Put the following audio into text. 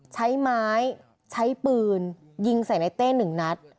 ใช้ไม้ใช้ปืนยิงใส่ในเต้หนึ่งนัด